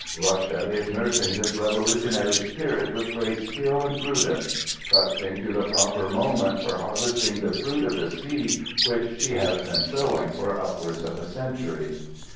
Russia is nursing this revolutionary spirit with great skill and prudence, trusting to the proper moment for harvesting the fruit of the seed which she has been sowing for upwards of a century.